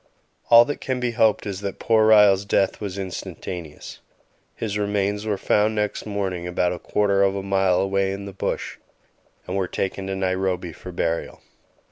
All that can be hoped is that poor Ryall's death was instantaneous. His remains were found next morning about a quarter of a mile away in the bush, and were taken to Nairobi for burial.